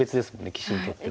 棋士にとっては。